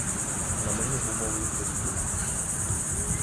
На мені гумовий костюм.